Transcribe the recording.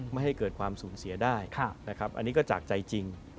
ไม่ให้เกิดความสูญเสียได้นะครับอันนี้ก็จากใจจริง